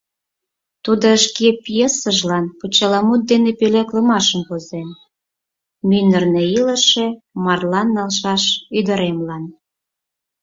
Тудо шке пьесыжлан почеламут дене пӧлеклымашым возен: “Мӱндырнӧ илыше марлан налшаш ӱдыремлан”.